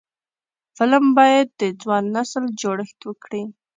فلم باید د ځوان نسل جوړښت وکړي